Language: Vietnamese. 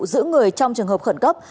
giữ người trong trường hợp khẩn cấp